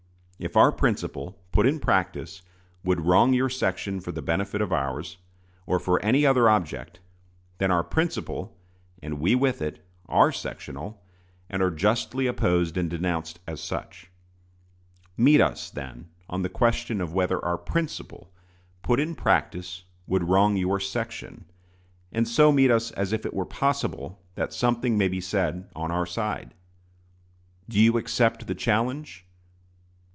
If our principle, put in practice, would wrong your section for the benefit of ours, or for any other object, then our principle, and we with it, are sectional, and are justly opposed and denounced as such. Meet us, then, on the question of whether our principle, put in practice, would wrong your section; and so meet us as if it were possible that something may be said on our side. Do you accept the challenge?